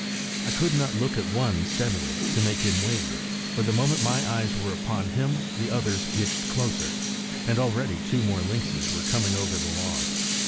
I could not look at one steadily, to make him waver; for the moment my eyes were upon him the others hitched closer; and already two more lynxes were coming over the log.